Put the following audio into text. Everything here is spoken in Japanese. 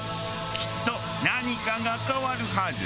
きっと何かが変わるはず。